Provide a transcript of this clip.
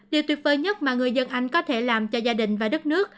điều tuyệt vời nhất mà người dân anh có thể làm cho gia đình và đất nước